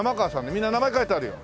みんな名前書いてあるよ。